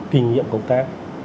kinh nghiệm công tác